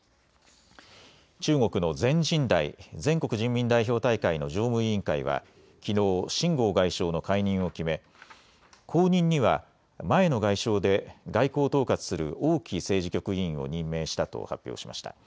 中国の全人代・全国人民代表大会の常務委員会はきのう秦剛外相の解任を決め後任には前の外相で外交を統括する王毅政治局委員を任命したと発表しました。